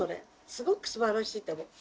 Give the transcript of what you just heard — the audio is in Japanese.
すごくすばらしいと思う。